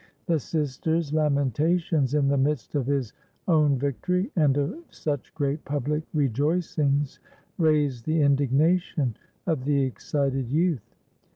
The sister's lamentations, in the midst of his own victory and of such great public re joicings, raised the indignation of the excited youth.